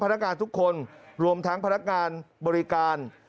พนักงานทุกคนรวมทั้งพนักงานบริการ